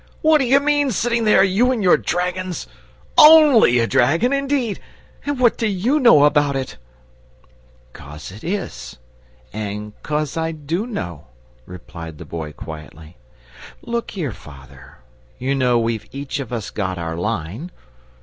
"What do you mean, sitting there, you and your dragons? ONLY a dragon indeed! And what do YOU know about it?" "'Cos it IS, and 'cos I DO know," replied the Boy, quietly. "Look here, father, you know we've each of us got our line.